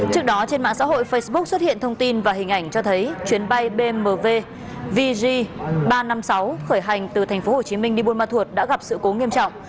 trước đó trên mạng xã hội facebook xuất hiện thông tin và hình ảnh cho thấy chuyến bay bmw vj ba trăm năm mươi sáu khởi hành từ tp hcm đi buôn ma thuột đã gặp sự cố nghiêm trọng